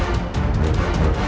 jatuh burgeran lu